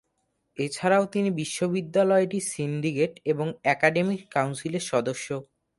এছাড়াও তিনি বিশ্ববিদ্যালয়টির সিন্ডিকেট এবং অ্যাকাডেমিক কাউন্সিলের সদস্য।